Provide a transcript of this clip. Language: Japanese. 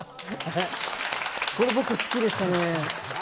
これ、僕、好きでしたね。